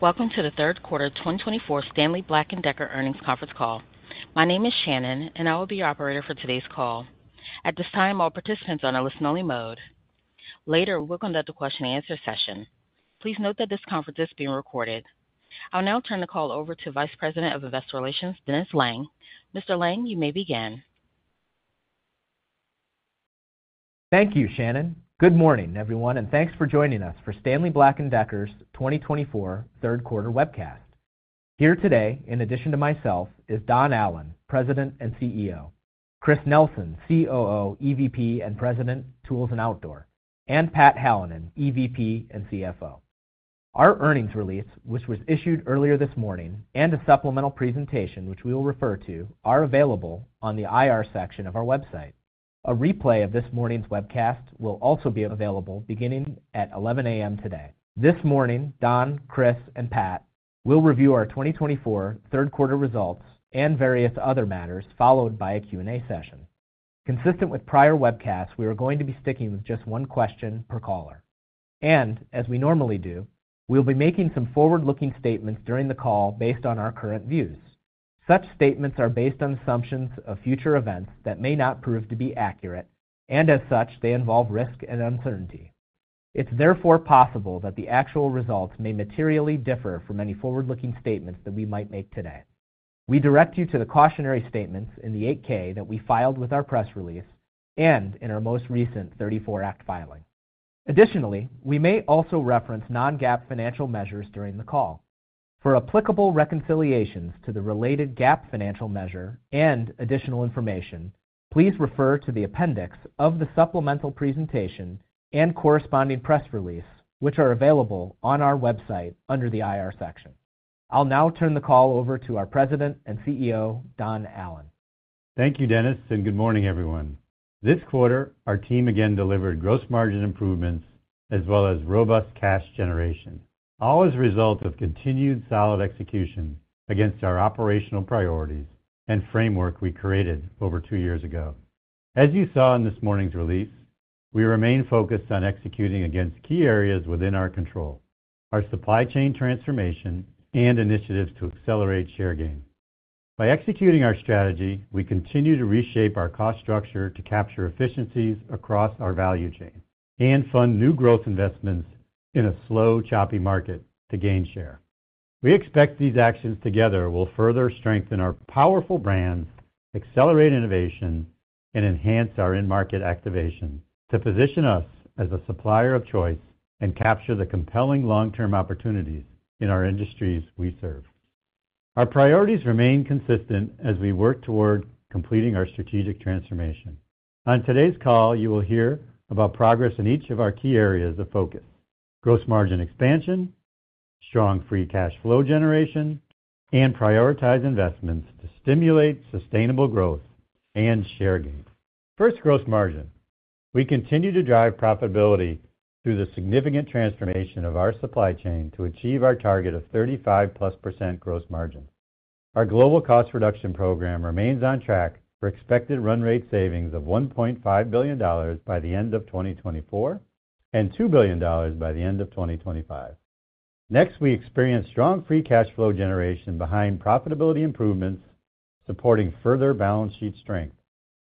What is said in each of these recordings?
Welcome to the third quarter 2024 Stanley Black & Decker earnings conference call. My name is Shannon, and I will be your operator for today's call. At this time, all participants are on a listen-only mode. Later, we'll conduct a question-and-answer session. Please note that this conference is being recorded. I'll now turn the call over to Vice President of Investor Relations, Dennis Lange. Mr. Lange, you may begin. Thank you, Shannon. Good morning, everyone, and thanks for joining us for Stanley Black & Decker's 2024 third quarter webcast. Here today, in addition to myself, is Don Allan, President and CEO, Chris Nelson, COO, EVP and President, Tools and Outdoor, and Pat Hallinan, EVP and CFO. Our earnings release, which was issued earlier this morning, and a supplemental presentation, which we will refer to, are available on the IR section of our website. A replay of this morning's webcast will also be available beginning at 11:00 A.M. today. This morning, Don, Chris, and Pat will review our 2024 third quarter results and various other matters, followed by a Q&A session. Consistent with prior webcasts, we are going to be sticking with just one question per caller. As we normally do, we'll be making some forward-looking statements during the call based on our current views. Such statements are based on assumptions of future events that may not prove to be accurate, and as such, they involve risk and uncertainty. It's therefore possible that the actual results may materially differ from any forward-looking statements that we might make today. We direct you to the cautionary statements in the 8-K that we filed with our press release and in our most recent 34 Act filing. Additionally, we may also reference non-GAAP financial measures during the call. For applicable reconciliations to the related GAAP financial measure and additional information, please refer to the appendix of the supplemental presentation and corresponding press release, which are available on our website under the IR section. I'll now turn the call over to our President and CEO, Don Allan. Thank you, Dennis, and good morning, everyone. This quarter, our team again delivered gross margin improvements as well as robust cash generation, all as a result of continued solid execution against our operational priorities and framework we created over two years ago. As you saw in this morning's release, we remain focused on executing against key areas within our control: our supply chain transformation and initiatives to accelerate share gain. By executing our strategy, we continue to reshape our cost structure to capture efficiencies across our value chain and fund new growth investments in a slow, choppy market to gain share. We expect these actions together will further strengthen our powerful brand, accelerate innovation, and enhance our in-market activation to position us as a supplier of choice and capture the compelling long-term opportunities in our industries we serve. Our priorities remain consistent as we work toward completing our strategic transformation. On today's call, you will hear about progress in each of our key areas of focus: gross margin expansion, strong free cash flow generation, and prioritize investments to stimulate sustainable growth and share gain. First, gross margin. We continue to drive profitability through the significant transformation of our supply chain to achieve our target of 35-plus% gross margin. Our global cost reduction program remains on track for expected run rate savings of $1.5 billion by the end of 2024 and $2 billion by the end of 2025. Next, we experience strong free cash flow generation behind profitability improvements, supporting further balance sheet strength.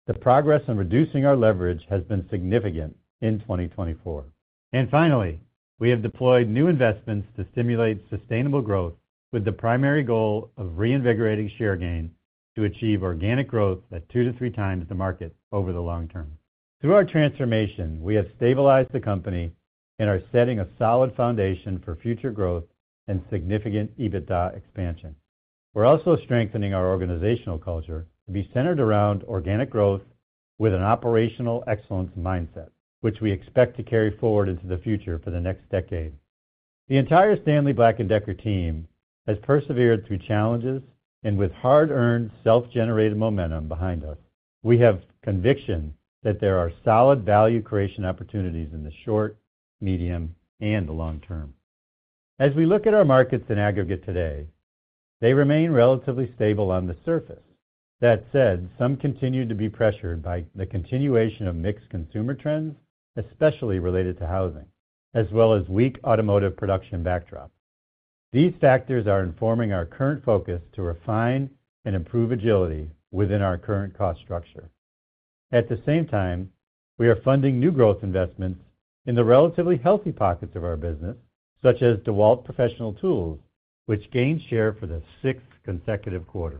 The progress in reducing our leverage has been significant in 2024. And finally, we have deployed new investments to stimulate sustainable growth with the primary goal of reinvigorating share gain to achieve organic growth at two to three times the market over the long term. Through our transformation, we have stabilized the company and are setting a solid foundation for future growth and significant EBITDA expansion. We're also strengthening our organizational culture to be centered around organic growth with an operational excellence mindset, which we expect to carry forward into the future for the next decade. The entire Stanley Black & Decker team has persevered through challenges and with hard-earned, self-generated momentum behind us. We have conviction that there are solid value creation opportunities in the short, medium, and long term. As we look at our markets in aggregate today, they remain relatively stable on the surface. That said, some continue to be pressured by the continuation of mixed consumer trends, especially related to housing, as well as a weak automotive production backdrop. These factors are informing our current focus to refine and improve agility within our current cost structure. At the same time, we are funding new growth investments in the relatively healthy pockets of our business, such as DeWalt Professional Tools, which gained share for the sixth consecutive quarter.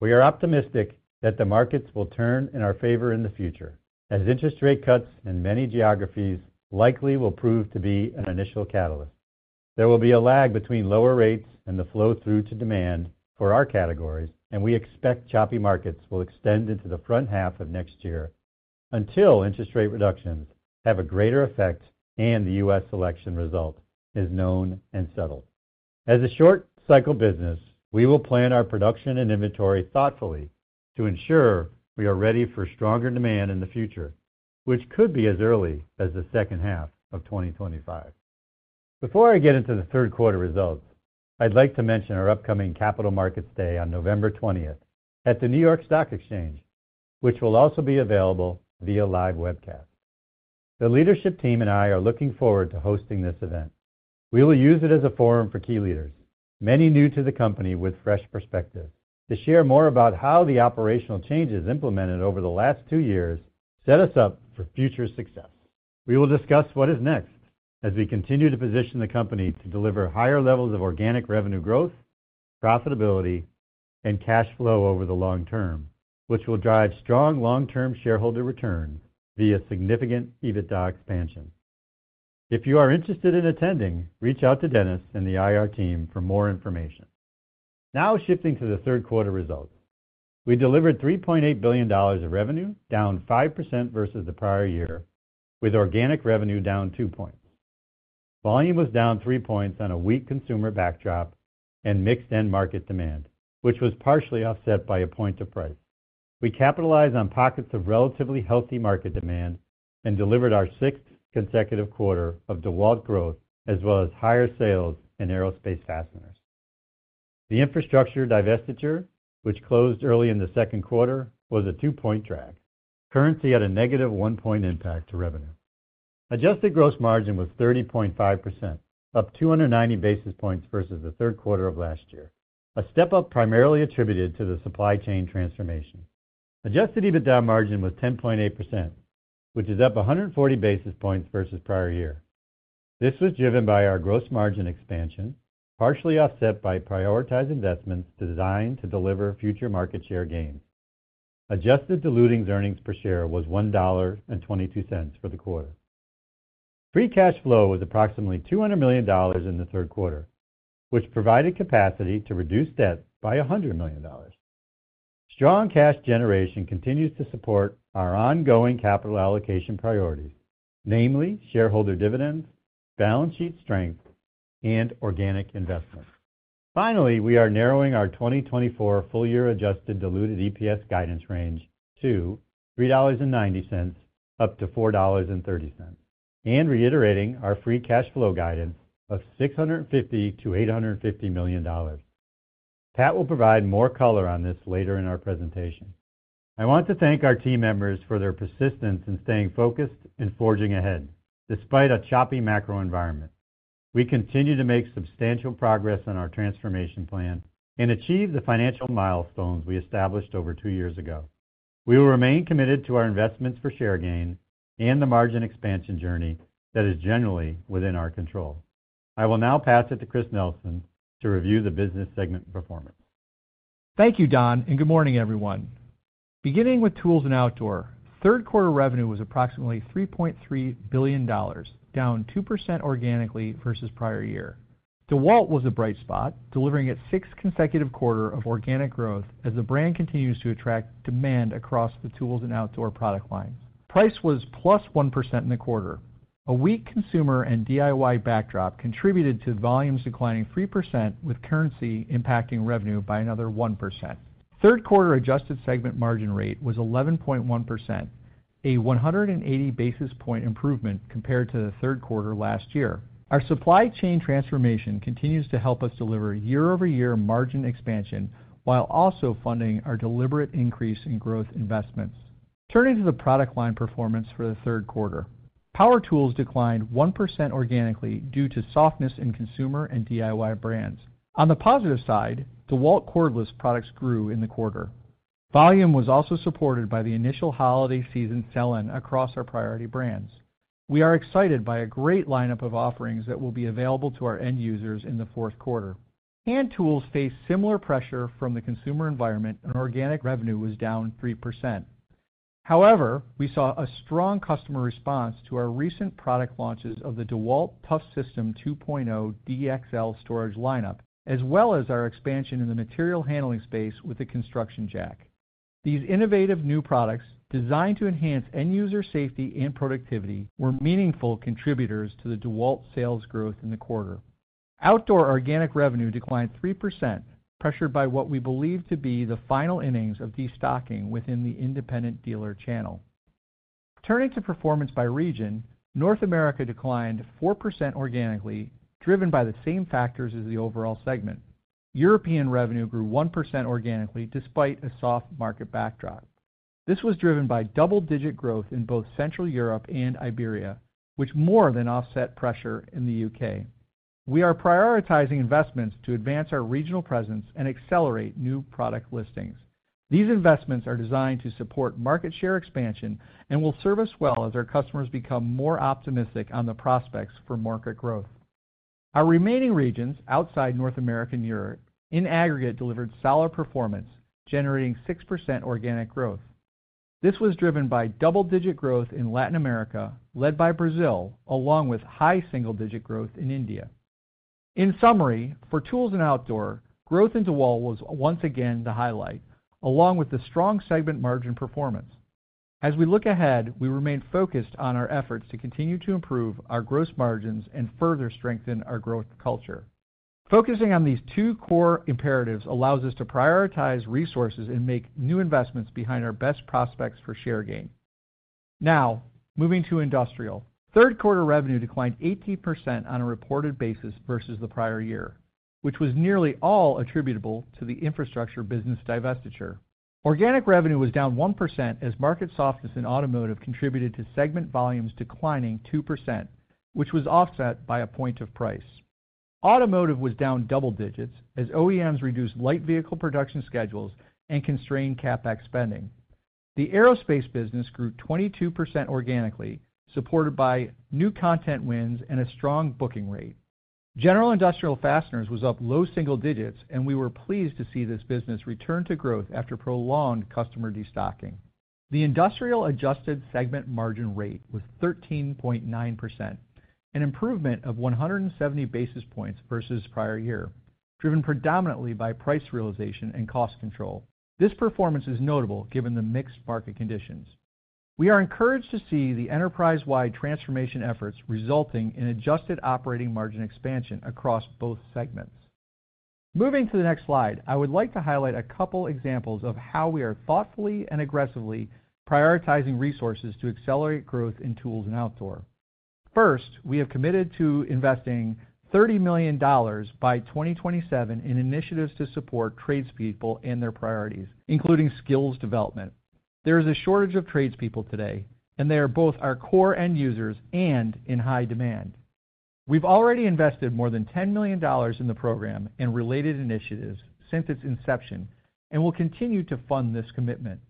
We are optimistic that the markets will turn in our favor in the future, as interest rate cuts in many geographies likely will prove to be an initial catalyst. There will be a lag between lower rates and the flow-through to demand for our categories, and we expect choppy markets will extend into the front half of next year until interest rate reductions have a greater effect and the U.S. election result is known and settled. As a short-cycle business, we will plan our production and inventory thoughtfully to ensure we are ready for stronger demand in the future, which could be as early as the second half of 2025. Before I get into the third quarter results, I'd like to mention our upcoming Capital Markets Day on November 20th at the New York Stock Exchange, which will also be available via live webcast. The leadership team and I are looking forward to hosting this event. We will use it as a forum for key leaders, many new to the company with fresh perspectives, to share more about how the operational changes implemented over the last two years set us up for future success. We will discuss what is next as we continue to position the company to deliver higher levels of organic revenue growth, profitability, and cash flow over the long term, which will drive strong long-term shareholder returns via significant EBITDA expansion. If you are interested in attending, reach out to Dennis and the IR team for more information. Now, shifting to the third quarter results, we delivered $3.8 billion of revenue, down 5% versus the prior year, with organic revenue down 2 points. Volume was down 3 points on a weak consumer backdrop and mixed end market demand, which was partially offset by a point of price. We capitalized on pockets of relatively healthy market demand and delivered our sixth consecutive quarter of DeWalt growth, as well as higher sales in Aerospace fasteners. The Infrastructure divestiture, which closed early in the second quarter, was a 2-point drag. Currency had a negative 1-point impact to revenue. Adjusted gross margin was 30.5%, up 290 basis points versus the third quarter of last year, a step up primarily attributed to the supply chain transformation. Adjusted EBITDA margin was 10.8%, which is up 140 basis points versus prior year. This was driven by our gross margin expansion, partially offset by prioritized investments designed to deliver future market share gains. Adjusted diluted earnings per share was $1.22 for the quarter. Free cash flow was approximately $200 million in the third quarter, which provided capacity to reduce debt by $100 million. Strong cash generation continues to support our ongoing capital allocation priorities, namely shareholder dividends, balance sheet strength, and organic investments. Finally, we are narrowing our 2024 full-year Adjusted diluted EPS guidance range to $3.90-$4.30, and reiterating our free cash flow guidance of $650-$850 million. Pat will provide more color on this later in our presentation. I want to thank our team members for their persistence in staying focused and forging ahead despite a choppy macro environment. We continue to make substantial progress on our transformation plan and achieve the financial milestones we established over two years ago. We will remain committed to our investments for share gain and the margin expansion journey that is generally within our control. I will now pass it to Chris Nelson to review the business segment performance. Thank you, Don, and good morning, everyone. Beginning with Tools and Outdoor, third quarter revenue was approximately $3.3 billion, down 2% organically versus prior year. DeWalt was a bright spot, delivering its sixth consecutive quarter of organic growth as the brand continues to attract demand across the Tools and Outdoor product lines. Price was plus 1% in the quarter. A weak consumer and DIY backdrop contributed to volumes declining 3%, with currency impacting revenue by another 1%. Third quarter Adjusted segment margin rate was 11.1%, a 180 basis point improvement compared to the third quarter last year. Our supply chain transformation continues to help us deliver year-over-year margin expansion while also funding our deliberate increase in growth investments. Turning to the product line performance for the third quarter, power tools declined 1% organically due to softness in consumer and DIY brands. On the positive side, DeWalt cordless products grew in the quarter. Volume was also supported by the initial holiday season sell-in across our priority brands. We are excited by a great lineup of offerings that will be available to our end users in the fourth quarter. Hand Tools faced similar pressure from the consumer environment, and organic revenue was down 3%. However, we saw a strong customer response to our recent product launches of the DeWalt ToughSystem 2.0 DXL storage lineup, as well as our expansion in the material handling space with the construction jack. These innovative new products designed to enhance end user safety and productivity were meaningful contributors to the DeWalt sales growth in the quarter. Outdoor organic revenue declined 3%, pressured by what we believe to be the final innings of destocking within the independent dealer channel. Turning to performance by region, North America declined 4% organically, driven by the same factors as the overall segment. European revenue grew 1% organically despite a soft market backdrop. This was driven by double-digit growth in both Central Europe and Iberia, which more than offset pressure in the U.K. We are prioritizing investments to advance our regional presence and accelerate new product listings. These investments are designed to support market share expansion and will serve us well as our customers become more optimistic on the prospects for market growth. Our remaining regions outside North America and Europe in aggregate delivered solid performance, generating 6% organic growth. This was driven by double-digit growth in Latin America, led by Brazil, along with high single-digit growth in India. In summary, for Tools and Outdoor, growth in DeWalt was once again the highlight, along with the strong segment margin performance. As we look ahead, we remain focused on our efforts to continue to improve our gross margins and further strengthen our growth culture. Focusing on these two core imperatives allows us to prioritize resources and make new investments behind our best prospects for share gain. Now, moving to Industrial, third quarter revenue declined 18% on a reported basis versus the prior year, which was nearly all attributable to the Infrastructure business divestiture. Organic revenue was down 1% as market softness in automotive contributed to segment volumes declining 2%, which was offset by a point of price. Automotive was down double digits as OEMs reduced light vehicle production schedules and constrained CapEx spending. The Aerospace business grew 22% organically, supported by new content wins and a strong booking rate. General Industrial fasteners was up low single digits, and we were pleased to see this business return to growth after prolonged customer destocking. The Industrial Adjusted segment margin rate was 13.9%, an improvement of 170 basis points versus prior year, driven predominantly by price realization and cost control. This performance is notable given the mixed market conditions. We are encouraged to see the enterprise-wide transformation efforts resulting in Adjusted operating margin expansion across both segments. Moving to the next slide, I would like to highlight a couple of examples of how we are thoughtfully and aggressively prioritizing resources to accelerate growth in Tools and Outdoor. First, we have committed to investing $30 million by 2027 in initiatives to support tradespeople and their priorities, including skills development. There is a shortage of tradespeople today, and they are both our core end users and in high demand. We've already invested more than $10 million in the program and related initiatives since its inception and will continue to fund this commitment.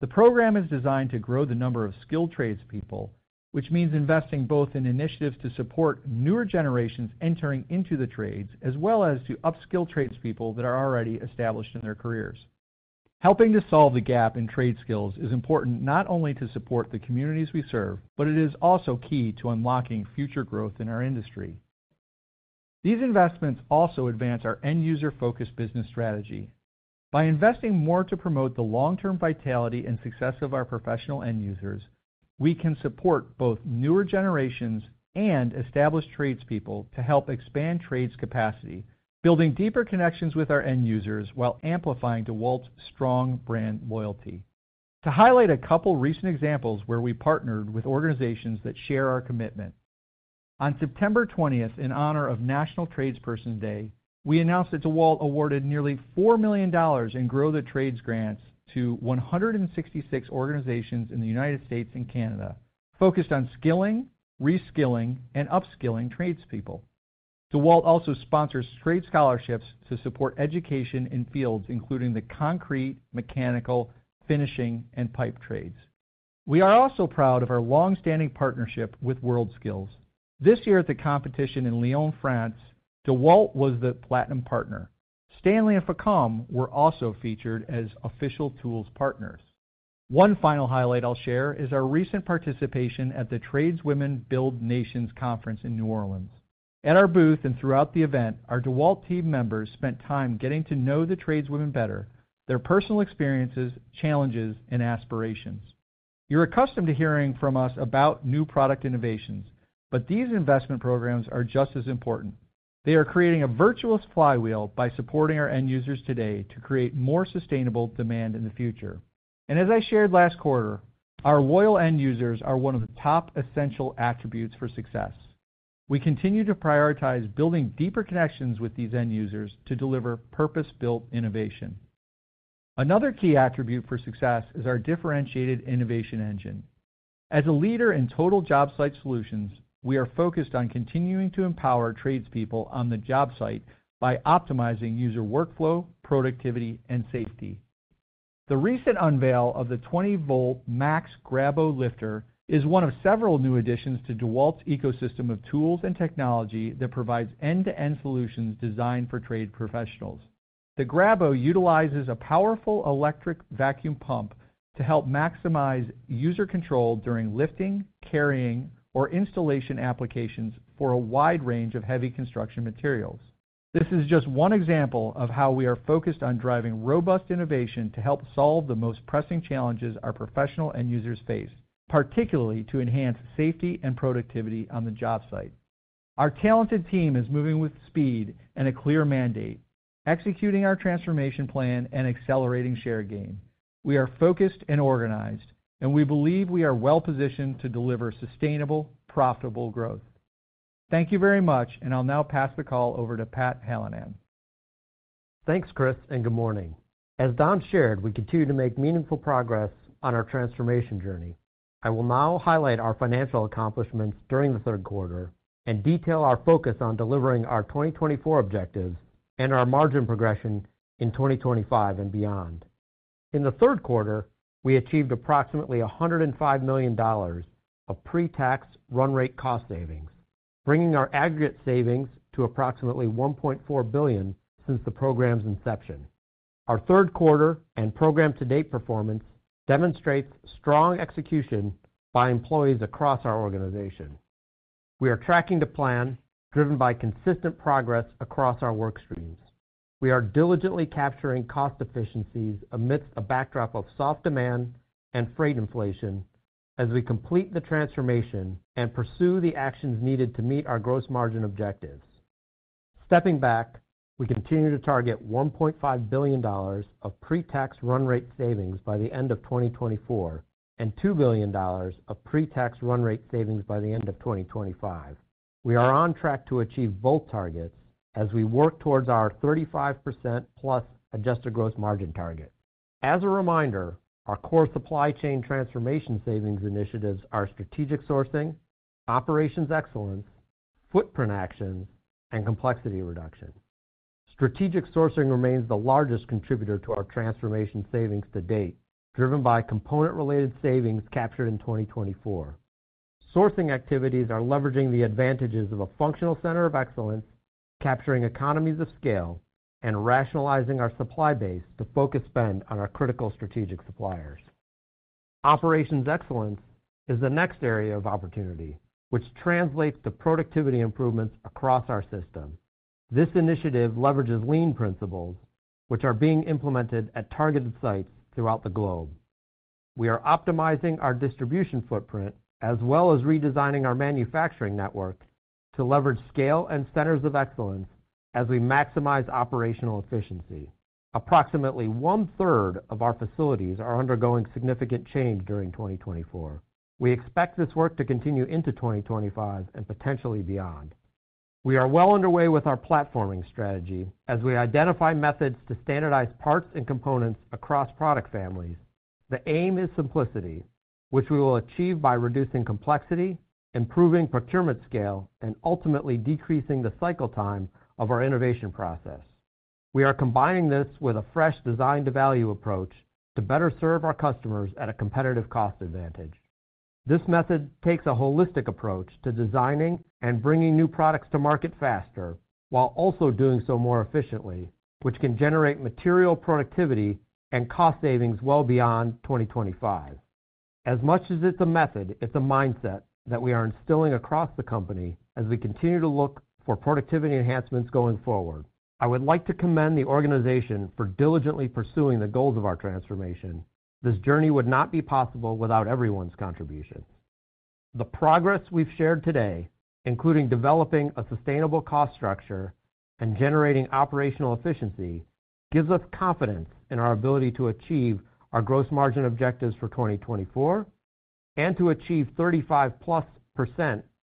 The program is designed to grow the number of skilled tradespeople, which means investing both in initiatives to support newer generations entering into the trades, as well as to upskill tradespeople that are already established in their careers. Helping to solve the gap in trade skills is important not only to support the communities we serve, but it is also key to unlocking future growth in our industry. These investments also advance our end user-focused business strategy. By investing more to promote the long-term vitality and success of our professional end users, we can support both newer generations and established tradespeople to help expand trades capacity, building deeper connections with our end users while amplifying DeWalt's strong brand loyalty. To highlight a couple of recent examples where we partnered with organizations that share our commitment. On September 20th, in honor of National Tradesperson Day, we announced that DeWalt awarded nearly $4 million in Grow the Trades grants to 166 organizations in the United States and Canada, focused on skilling, reskilling, and upskilling tradespeople. DeWalt also sponsors trade scholarships to support education in fields including the concrete, mechanical, finishing, and pipe trades. We are also proud of our long-standing partnership with WorldSkills. This year at the competition in Lyon, France, DeWalt was the platinum partner. Stanley and FACOM were also featured as official tools partners. One final highlight I'll share is our recent participation at the Tradeswomen Build Nations Conference in New Orleans. At our booth and throughout the event, our DeWalt team members spent time getting to know the tradeswomen better, their personal experiences, challenges, and aspirations. You're accustomed to hearing from us about new product innovations, but these investment programs are just as important. They are creating a virtuous flywheel by supporting our end users today to create more sustainable demand in the future. And as I shared last quarter, our loyal end users are one of the top essential attributes for success. We continue to prioritize building deeper connections with these end users to deliver purpose-built innovation. Another key attribute for success is our differentiated innovation engine. As a leader in total job site solutions, we are focused on continuing to empower tradespeople on the job site by optimizing user workflow, productivity, and safety. The recent unveil of the 20V MAX Grabo Lifter is one of several new additions to DeWalt's ecosystem of tools and technology that provides end-to-end solutions designed for trade professionals. The Grabo utilizes a powerful electric vacuum pump to help maximize user control during lifting, carrying, or installation applications for a wide range of heavy construction materials. This is just one example of how we are focused on driving robust innovation to help solve the most pressing challenges our professional end users face, particularly to enhance safety and productivity on the job site. Our talented team is moving with speed and a clear mandate, executing our transformation plan and accelerating share gain. We are focused and organized, and we believe we are well-positioned to deliver sustainable, profitable growth. Thank you very much, and I'll now pass the call over to Pat Hallinan. Thanks, Chris, and good morning. As Don shared, we continue to make meaningful progress on our transformation journey. I will now highlight our financial accomplishments during the third quarter and detail our focus on delivering our 2024 objectives and our margin progression in 2025 and beyond. In the third quarter, we achieved approximately $105 million of pre-tax run rate cost savings, bringing our aggregate savings to approximately $1.4 billion since the program's inception. Our third quarter and program-to-date performance demonstrates strong execution by employees across our organization. We are tracking the plan, driven by consistent progress across our work streams. We are diligently capturing cost efficiencies amidst a backdrop of soft demand and freight inflation as we complete the transformation and pursue the actions needed to meet our gross margin objectives. Stepping back, we continue to target $1.5 billion of pre-tax run rate savings by the end of 2024 and $2 billion of pre-tax run rate savings by the end of 2025. We are on track to achieve both targets as we work towards our 35% plus Adjusted gross margin target. As a reminder, our core supply chain transformation savings initiatives are strategic sourcing, operations excellence, footprint actions, and complexity reduction. Strategic sourcing remains the largest contributor to our transformation savings to date, driven by component-related savings captured in 2024. Sourcing activities are leveraging the advantages of a functional center of excellence, capturing economies of scale, and rationalizing our supply base to focus spend on our critical strategic suppliers. Operations excellence is the next area of opportunity, which translates to productivity improvements across our system. This initiative leverages lean principles, which are being implemented at targeted sites throughout the globe. We are optimizing our distribution footprint as well as redesigning our manufacturing network to leverage scale and centers of excellence as we maximize operational efficiency. Approximately one-third of our facilities are undergoing significant change during 2024. We expect this work to continue into 2025 and potentially beyond. We are well underway with our platforming strategy as we identify methods to standardize parts and components across product families. The aim is simplicity, which we will achieve by reducing complexity, improving procurement scale, and ultimately decreasing the cycle time of our innovation process. We are combining this with a fresh design-to-value approach to better serve our customers at a competitive cost advantage. This method takes a holistic approach to designing and bringing new products to market faster while also doing so more efficiently, which can generate material productivity and cost savings well beyond 2025. As much as it's a method, it's a mindset that we are instilling across the company as we continue to look for productivity enhancements going forward. I would like to commend the organization for diligently pursuing the goals of our transformation. This journey would not be possible without everyone's contributions. The progress we've shared today, including developing a sustainable cost structure and generating operational efficiency, gives us confidence in our ability to achieve our gross margin objectives for 2024 and to achieve 35% plus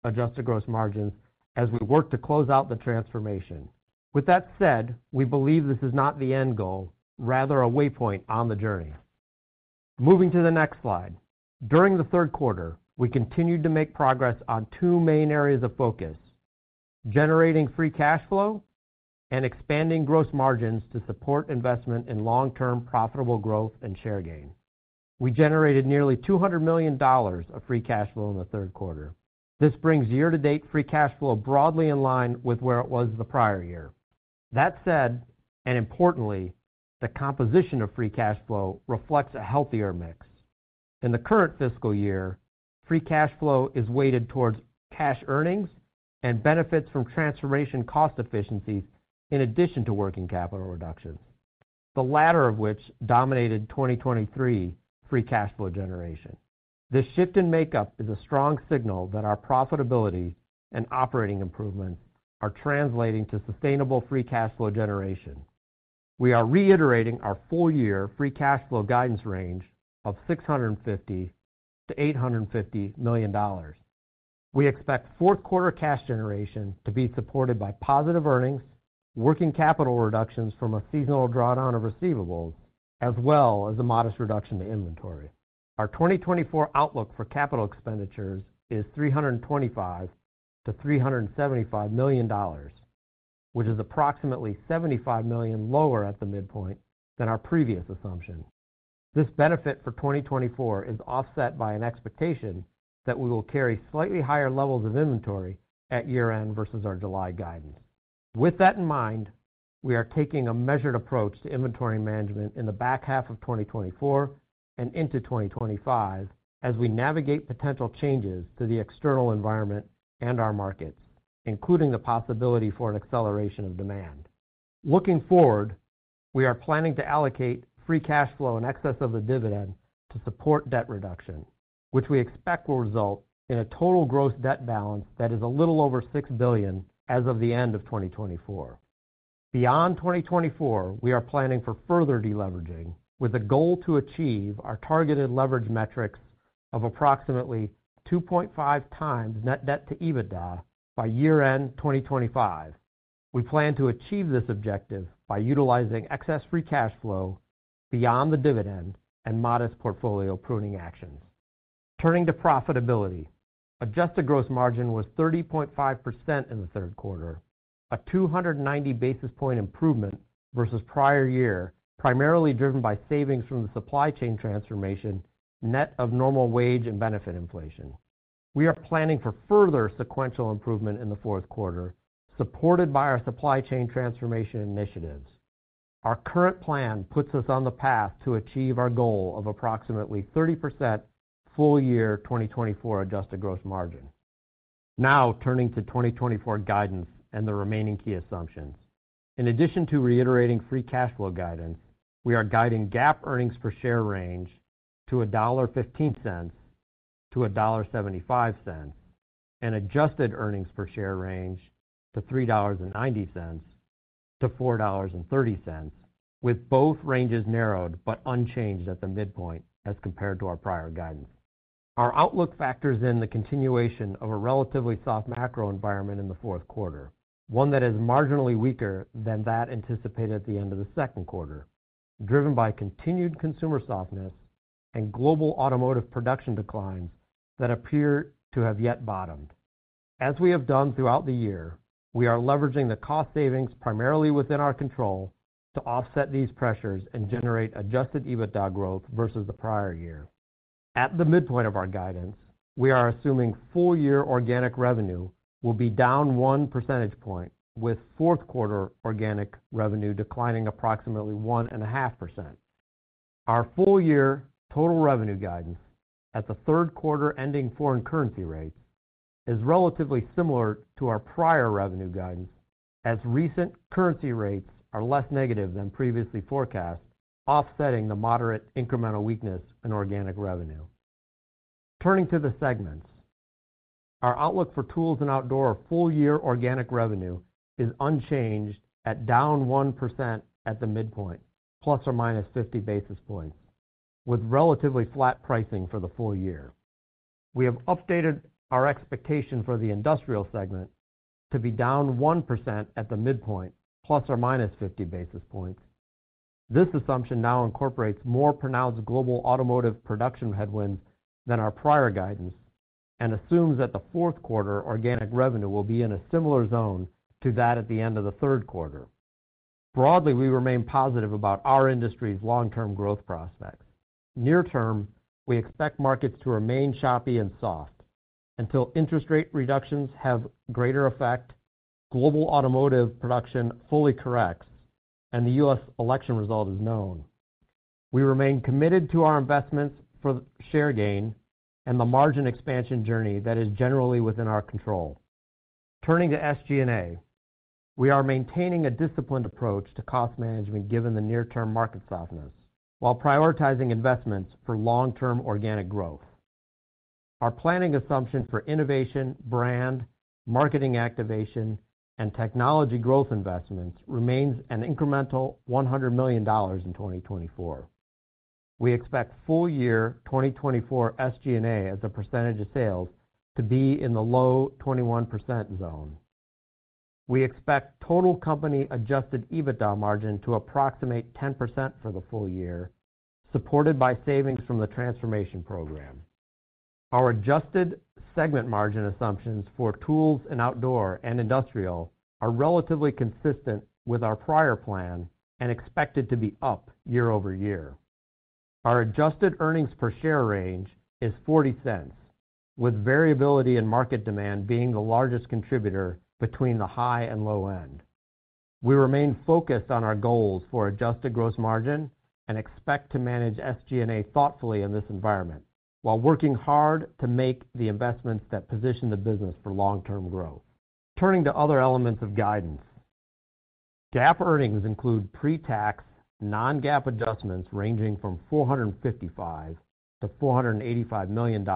Adjusted gross margins as we work to close out the transformation. With that said, we believe this is not the end goal, rather a waypoint on the journey. Moving to the next slide. During the third quarter, we continued to make progress on two main areas of focus: generating free cash flow and expanding gross margins to support investment in long-term profitable growth and share gain. We generated nearly $200 million of free cash flow in the third quarter. This brings year-to-date free cash flow broadly in line with where it was the prior year. That said, and importantly, the composition of free cash flow reflects a healthier mix. In the current fiscal year, free cash flow is weighted towards cash earnings and benefits from transformation cost efficiencies in addition to working capital reductions, the latter of which dominated 2023 free cash flow generation. This shift in makeup is a strong signal that our profitability and operating improvements are translating to sustainable free cash flow generation. We are reiterating our full-year free cash flow guidance range of $650-$850 million. We expect fourth quarter cash generation to be supported by positive earnings, working capital reductions from a seasonal drawdown of receivables, as well as a modest reduction in inventory. Our 2024 outlook for capital expenditures is $325-$375 million, which is approximately $75 million lower at the midpoint than our previous assumption. This benefit for 2024 is offset by an expectation that we will carry slightly higher levels of inventory at year-end versus our July guidance. With that in mind, we are taking a measured approach to inventory management in the back half of 2024 and into 2025 as we navigate potential changes to the external environment and our markets, including the possibility for an acceleration of demand. Looking forward, we are planning to allocate free cash flow in excess of the dividend to support debt reduction, which we expect will result in a total gross debt balance that is a little over $6 billion as of the end of 2024. Beyond 2024, we are planning for further deleveraging with a goal to achieve our targeted leverage metrics of approximately 2.5x net debt to EBITDA by year-end 2025. We plan to achieve this objective by utilizing excess free cash flow beyond the dividend and modest portfolio pruning actions. Turning to profitability, Adjusted gross margin was 30.5% in the third quarter, a 290 basis points improvement versus prior year, primarily driven by savings from the supply chain transformation, net of normal wage and benefit inflation. We are planning for further sequential improvement in the fourth quarter, supported by our supply chain transformation initiatives. Our current plan puts us on the path to achieve our goal of approximately 30% full-year 2024 Adjusted gross margin. Now, turning to 2024 guidance and the remaining key assumptions. In addition to reiterating free cash flow guidance, we are guiding GAAP earnings per share range to $1.15-$1.75 and Adjusted earnings per share range to $3.90-$4.30, with both ranges narrowed but unchanged at the midpoint as compared to our prior guidance. Our outlook factors in the continuation of a relatively soft macro environment in the fourth quarter, one that is marginally weaker than that anticipated at the end of the second quarter, driven by continued consumer softness and global automotive production declines that appear to have yet bottomed. As we have done throughout the year, we are leveraging the cost savings primarily within our control to offset these pressures and generate Adjusted EBITDA growth versus the prior year. At the midpoint of our guidance, we are assuming full-year organic revenue will be down one percentage point, with fourth quarter organic revenue declining approximately 1.5%. Our full-year total revenue guidance at the third quarter ending foreign currency rates is relatively similar to our prior revenue guidance, as recent currency rates are less negative than previously forecast, offsetting the moderate incremental weakness in organic revenue. Turning to the segments, our outlook for Tools and Outdoor full-year organic revenue is unchanged at down 1% at the midpoint, plus or minus 50 basis points, with relatively flat pricing for the full year. We have updated our expectation for the Industrial segment to be down 1% at the midpoint, plus or minus 50 basis points. This assumption now incorporates more pronounced global automotive production headwinds than our prior guidance and assumes that the fourth quarter organic revenue will be in a similar zone to that at the end of the third quarter. Broadly, we remain positive about our industry's long-term growth prospects. Near term, we expect markets to remain choppy and soft until interest rate reductions have greater effect, global automotive production fully corrects, and the U.S. election result is known. We remain committed to our investments for share gain and the margin expansion journey that is generally within our control. Turning to SG&A, we are maintaining a disciplined approach to cost management given the near-term market softness while prioritizing investments for long-term organic growth. Our planning assumption for innovation, brand, marketing activation, and technology growth investments remains an incremental $100 million in 2024. We expect full-year 2024 SG&A as a percentage of sales to be in the low 21% zone. We expect total company Adjusted EBITDA margin to approximate 10% for the full year, supported by savings from the transformation program. Our Adjusted segment margin assumptions for Tools and Outdoor and Industrial are relatively consistent with our prior plan and expected to be up year-over-year. Our Adjusted earnings per share range is $0.40, with variability in market demand being the largest contributor between the high and low end. We remain focused on our goals for Adjusted gross margin and expect to manage SG&A thoughtfully in this environment while working hard to make the investments that position the business for long-term growth. Turning to other elements of guidance, GAAP earnings include pre-tax non-GAAP adjustments ranging from $455-$485 million,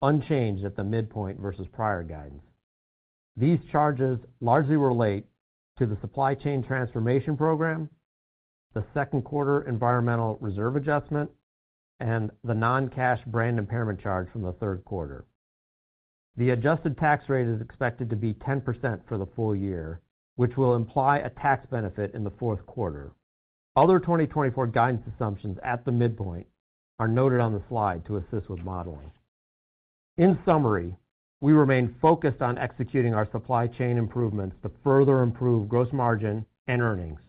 unchanged at the midpoint versus prior guidance. These charges largely relate to the supply chain transformation program, the second quarter environmental reserve adjustment, and the non-cash brand impairment charge from the third quarter. The Adjusted tax rate is expected to be 10% for the full year, which will imply a tax benefit in the fourth quarter. Other 2024 guidance assumptions at the midpoint are noted on the slide to assist with modeling. In summary, we remain focused on executing our supply chain improvements to further improve gross margin and earnings.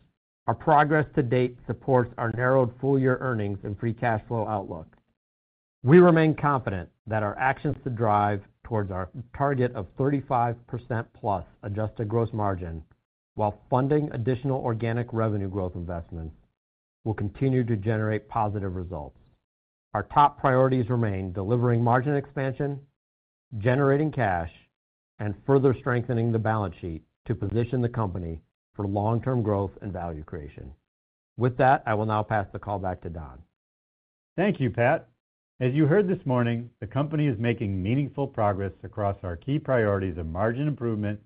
Our progress to date supports our narrowed full-year earnings and free cash flow outlook. We remain confident that our actions to drive towards our target of 35% plus Adjusted gross margin while funding additional organic revenue growth investments will continue to generate positive results. Our top priorities remain delivering margin expansion, generating cash, and further strengthening the balance sheet to position the company for long-term growth and value creation. With that, I will now pass the call back to Don. Thank you, Pat. As you heard this morning, the company is making meaningful progress across our key priorities of margin improvement,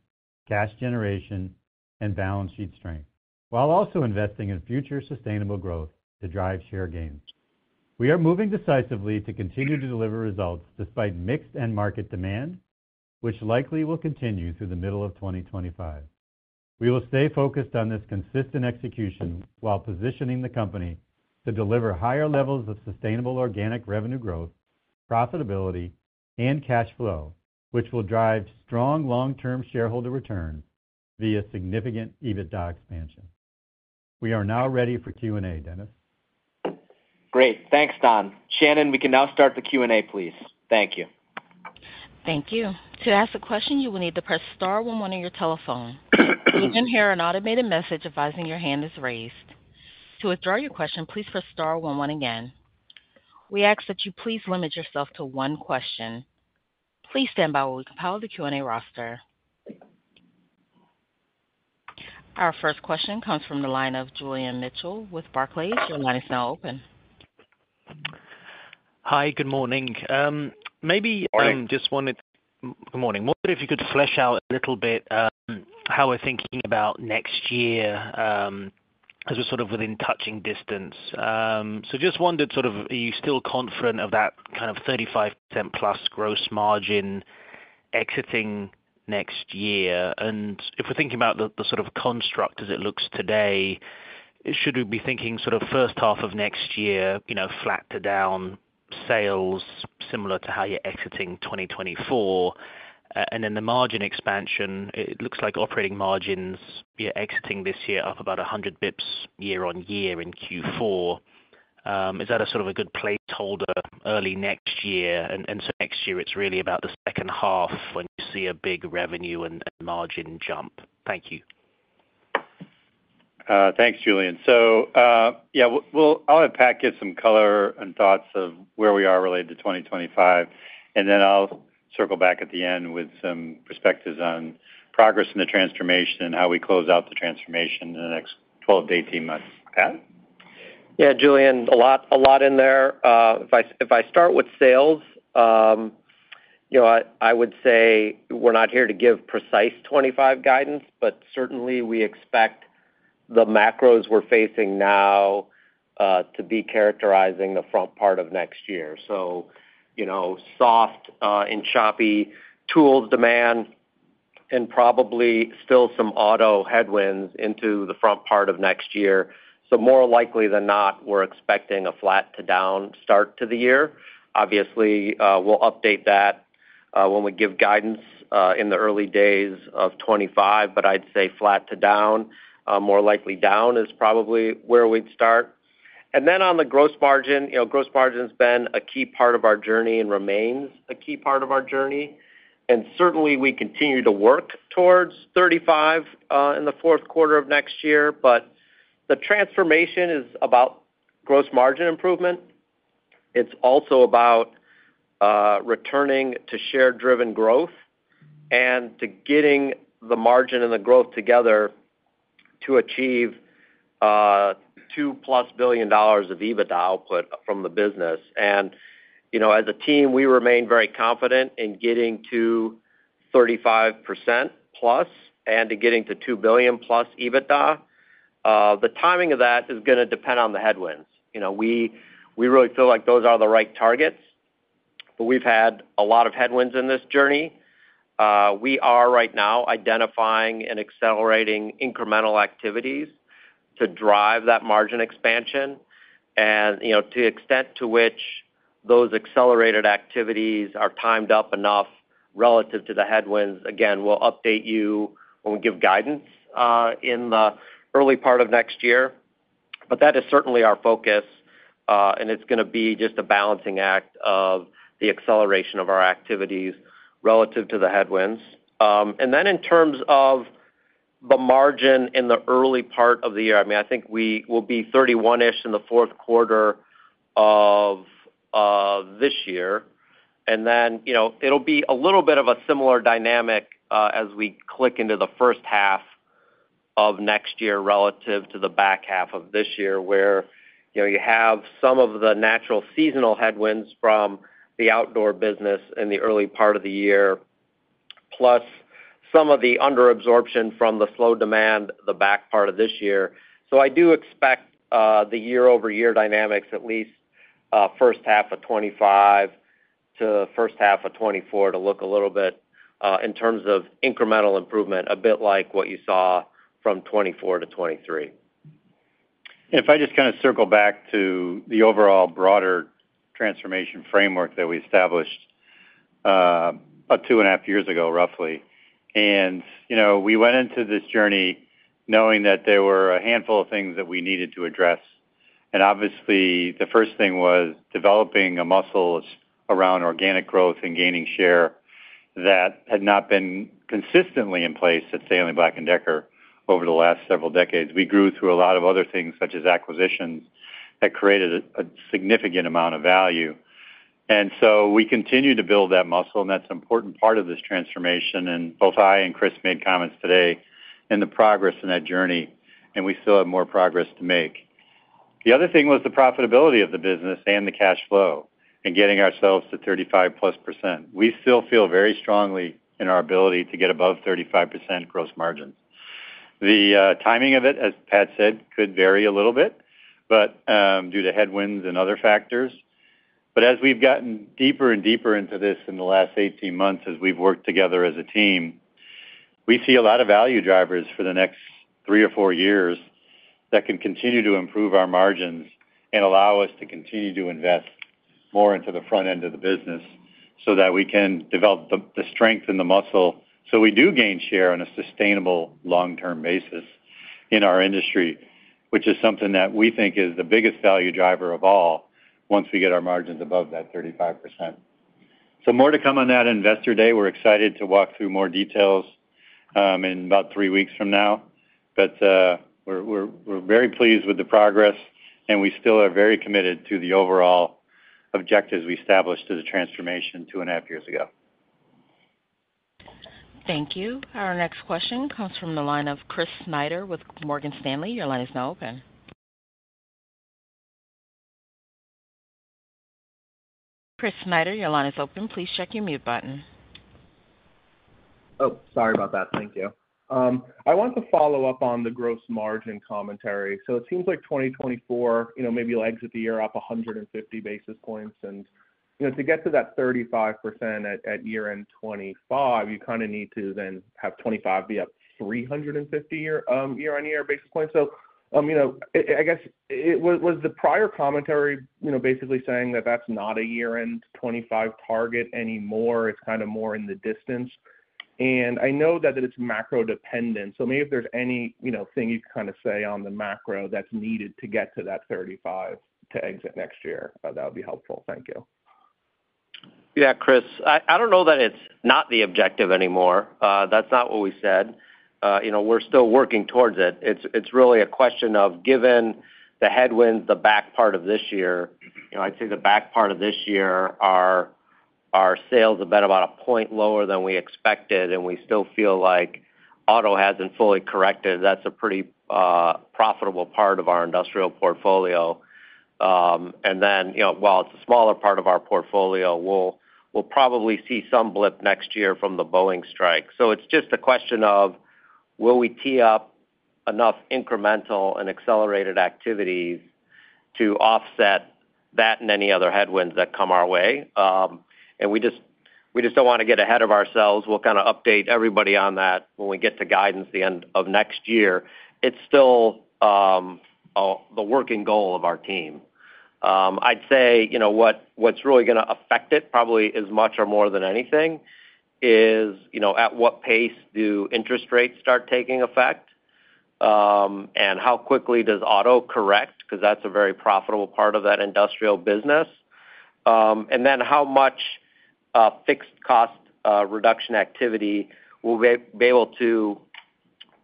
cash generation, and balance sheet strength, while also investing in future sustainable growth to drive share gains. We are moving decisively to continue to deliver results despite mixed end market demand, which likely will continue through the middle of 2025. We will stay focused on this consistent execution while positioning the company to deliver higher levels of sustainable organic revenue growth, profitability, and cash flow, which will drive strong long-term shareholder returns via significant EBITDA expansion. We are now ready for Q&A, Dennis. Great. Thanks, Don. Shannon, we can now start the Q&A, please. Thank you. Thank you. To ask a question, you will need to press star one one on your telephone. You can hear an automated message advising your hand is raised. To withdraw your question, please press star one one again. We ask that you please limit yourself to one question. Please stand by while we compile the Q&A roster. Our first question comes from the line of Julian Mitchell with Barclays. Your line is now open. Hi, good morning. Maybe I just wanted good morning. Wonder if you could flesh out a little bit how we're thinking about next year as we're sort of within touching distance. So just wondered, are you still confident of that kind of 35% plus gross margin exiting next year? And if we're thinking about the sort of construct as it looks today, should we be thinking sort of first half of next year, flat to down sales, similar to how you're exiting 2024? And then the margin expansion, it looks like operating margins you're exiting this year up about 100 basis points year on year in Q4. Is that a sort of a good placeholder early next year? And so next year, it's really about the second half when you see a big revenue and margin jump. Thank you. Thanks, Julian. So yeah, I'll have Pat give some color and thoughts of where we are related to 2025. And then I'll circle back at the end with some perspectives on progress in the transformation and how we close out the transformation in the next 12-18 months. Pat? Yeah, Julian, a lot in there. If I start with sales, I would say we're not here to give precise 2025 guidance, but certainly we expect the macros we're facing now to be characterizing the front part of next year. So soft and choppy tools demand and probably still some auto headwinds into the front part of next year. So more likely than not, we're expecting a flat to down start to the year. Obviously, we'll update that when we give guidance in the early days of 2025, but I'd say flat to down, more likely down is probably where we'd start. And then on the gross margin, gross margin has been a key part of our journey and remains a key part of our journey. And certainly, we continue to work towards 35% in the fourth quarter of next year. But the transformation is about gross margin improvement. It's also about returning to share-driven growth and to getting the margin and the growth together to achieve $2+ billion of EBITDA output from the business. And as a team, we remain very confident in getting to 35% plus and to getting to $2+ billion EBITDA. The timing of that is going to depend on the headwinds. We really feel like those are the right targets, but we've had a lot of headwinds in this journey. We are right now identifying and accelerating incremental activities to drive that margin expansion. To the extent to which those accelerated activities are timed up enough relative to the headwinds, again, we'll update you when we give guidance in the early part of next year. That is certainly our focus, and it's going to be just a balancing act of the acceleration of our activities relative to the headwinds. In terms of the margin in the early part of the year, I mean, I think we will be 31-ish in the fourth quarter of this year. It'll be a little bit of a similar dynamic as we click into the first half of next year relative to the back half of this year, where you have some of the natural seasonal headwinds from the Outdoor business in the early part of the year, plus some of the underabsorption from the slow demand the back part of this year. I do expect the year-over-year dynamics, at least first half of 2025 to first half of 2024, to look a little bit in terms of incremental improvement, a bit like what you saw from 2024-2023. If I just kind of circle back to the overall broader transformation framework that we established about two and a half years ago, roughly. We went into this journey knowing that there were a handful of things that we needed to address. Obviously, the first thing was developing a muscle around organic growth and gaining share that had not been consistently in place at Stanley Black & Decker over the last several decades. We grew through a lot of other things, such as acquisitions, that created a significant amount of value. We continue to build that muscle, and that's an important part of this transformation. Both I and Chris made comments today on the progress in that journey, and we still have more progress to make. The other thing was the profitability of the business and the cash flow and getting ourselves to 35% plus. We still feel very strongly about our ability to get above 35% gross margins. The timing of it, as Pat said, could vary a little bit due to headwinds and other factors. But as we've gotten deeper and deeper into this in the last 18 months as we've worked together as a team, we see a lot of value drivers for the next three or four years that can continue to improve our margins and allow us to continue to invest more into the front end of the business so that we can develop the strength and the muscle so we do gain share on a sustainable long-term basis in our industry, which is something that we think is the biggest value driver of all once we get our margins above that 35%. So more to come on that investor day. We're excited to walk through more details in about three weeks from now. But we're very pleased with the progress, and we still are very committed to the overall objectives we established to the transformation two and a half years ago. Thank you. Our next question comes from the line of Chris Snyder with Morgan Stanley. Your line is now open. Chris Snyder, your line is open. Please check your mute button. Oh, sorry about that. Thank you. I want to follow up on the gross margin commentary. So it seems like 2024, maybe you'll exit the year up 150 basis points. And to get to that 35% at year-end 2025, you kind of need to then have 2025 be up 350 year-on-year basis points. So I guess, was the prior commentary basically saying that that's not a year-end 2025 target anymore? It's kind of more in the distance. And I know that it's macro-dependent. So maybe if there's anything you could kind of say on the macro that's needed to get to that 35% to exit next year, that would be helpful. Thank you. Yeah, Chris, I don't know that it's not the objective anymore. That's not what we said. We're still working towards it. It's really a question of, given the headwinds, the back part of this year, I'd say the back part of this year, our sales have been about a point lower than we expected, and we still feel like auto hasn't fully corrected. That's a pretty profitable part of our Industrial portfolio. And then, while it's a smaller part of our portfolio, we'll probably see some blip next year from the Boeing strike. So it's just a question of, will we tee up enough incremental and accelerated activities to offset that and any other headwinds that come our way? And we just don't want to get ahead of ourselves. We'll kind of update everybody on that when we get to guidance at the end of next year. It's still the working goal of our team. I'd say what's really going to affect it probably as much or more than anything is at what pace do interest rates start taking effect? And how quickly does auto correct? Because that's a very profitable part of that Industrial business. And then how much fixed cost reduction activity will we be able to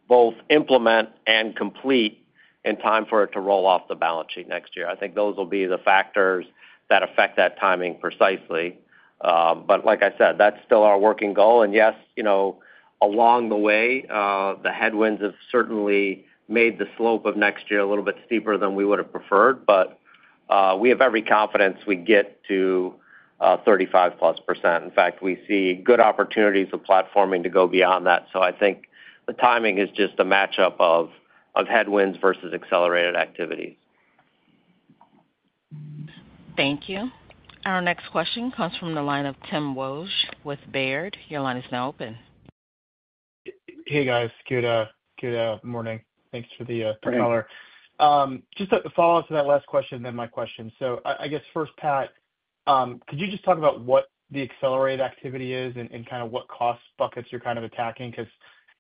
both implement and complete in time for it to roll off the balance sheet next year? I think those will be the factors that affect that timing precisely. But like I said, that's still our working goal. And yes, along the way, the headwinds have certainly made the slope of next year a little bit steeper than we would have preferred. But we have every confidence we get to 35% plus. In fact, we see good opportunities of platforming to go beyond that. So I think the timing is just a matchup of headwinds versus accelerated activities. Thank you. Our next question comes from the line of Tim Wojs with Baird. Your line is now open. Hey, guys. Good morning. Thanks for the color. Just a follow-up to that last question, then my question. So I guess first, Pat, could you just talk about what the accelerated activity is and kind of what cost buckets you're kind of attacking? Because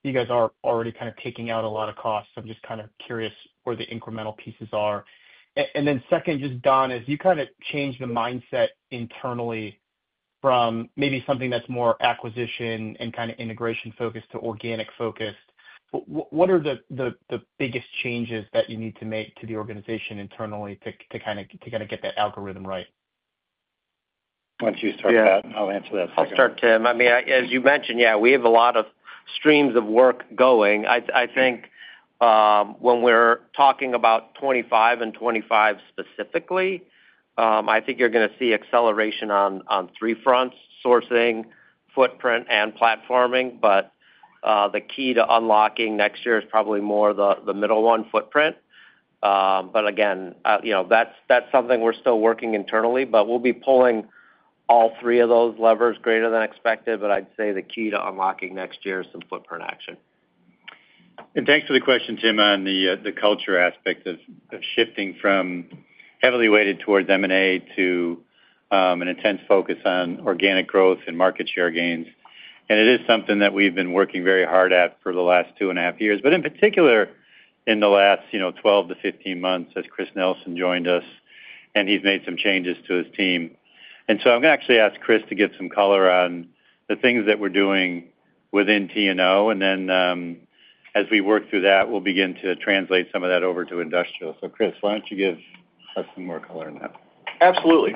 you guys are already kind of taking out a lot of costs. I'm just kind of curious where the incremental pieces are. And then second, just Don, as you kind of change the mindset internally from maybe something that's more acquisition and kind of integration-focused to organic-focused, what are the biggest changes that you need to make to the organization internally to kind of get that algorithm right? Why don't you start, Pat? I'll answer that second. I'll start, Tim. I mean, as you mentioned, yeah, we have a lot of streams of work going. I think when we're talking about 2025 and 2025 specifically, I think you're going to see acceleration on three fronts: sourcing, footprint, and platforming. But the key to unlocking next year is probably more the middle one, footprint. But again, that's something we're still working internally. But we'll be pulling all three of those levers greater than expected. But I'd say the key to unlocking next year is some footprint action. And thanks for the question, Tim, on the culture aspect of shifting from heavily weighted towards M&A to an intense focus on organic growth and market share gains. It is something that we've been working very hard at for the last two and a half years, but in particular in the last 12-15 months as Chris Nelson joined us, and he's made some changes to his team. I'm going to actually ask Chris to give some color on the things that we're doing within T&O. As we work through that, we'll begin to translate some of that over to Industrial. Chris, why don't you give us some more color on that? Absolutely.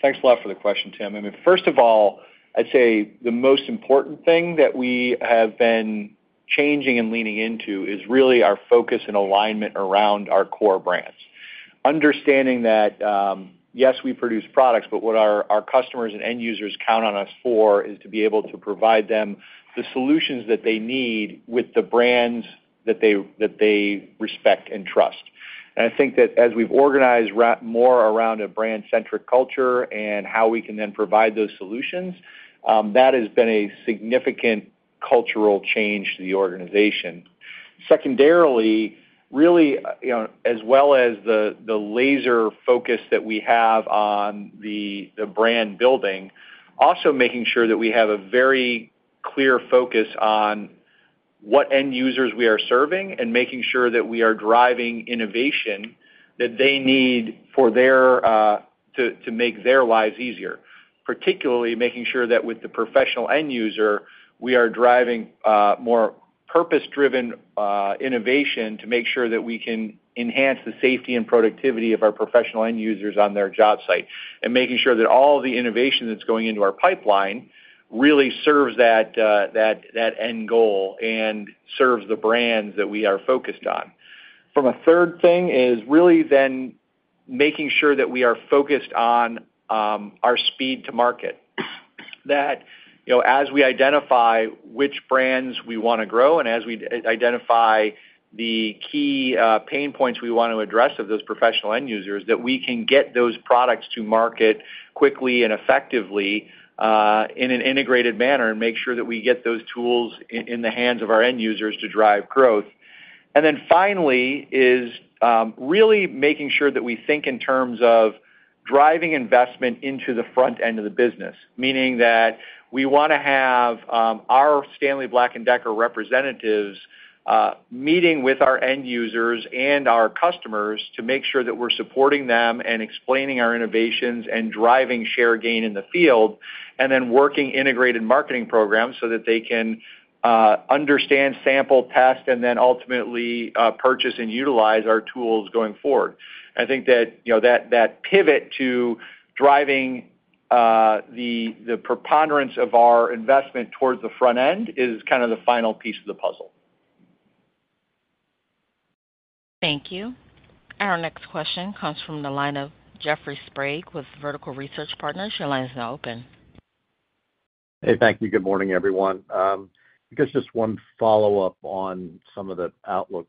Thanks a lot for the question, Tim. I mean, first of all, I'd say the most important thing that we have been changing and leaning into is really our focus and alignment around our core brands. Understanding that, yes, we produce products, but what our customers and end users count on us for is to be able to provide them the solutions that they need with the brands that they respect and trust. And I think that as we've organized more around a brand-centric culture and how we can then provide those solutions, that has been a significant cultural change to the organization. Secondarily, really, as well as the laser focus that we have on the brand building, also making sure that we have a very clear focus on what end users we are serving and making sure that we are driving innovation that they need to make their lives easier. Particularly making sure that with the professional end user, we are driving more purpose-driven innovation to make sure that we can enhance the safety and productivity of our professional end users on their job site and making sure that all the innovation that's going into our pipeline really serves that end goal and serves the brands that we are focused on. The third thing is really then making sure that we are focused on our speed to market. That as we identify which brands we want to grow and as we identify the key pain points we want to address of those professional end users, that we can get those products to market quickly and effectively in an integrated manner and make sure that we get those tools in the hands of our end users to drive growth. And then finally is really making sure that we think in terms of driving investment into the front end of the business, meaning that we want to have our Stanley Black & Decker representatives meeting with our end users and our customers to make sure that we're supporting them and explaining our innovations and driving share gain in the field, and then working integrated marketing programs so that they can understand, sample, test, and then ultimately purchase and utilize our tools going forward. I think that that pivot to driving the preponderance of our investment towards the front end is kind of the final piece of the puzzle. Thank you. Our next question comes from the line of Jeffrey Sprague with Vertical Research Partners. Your line is now open. Hey, thank you. Good morning, everyone. I guess just one follow-up on some of the outlook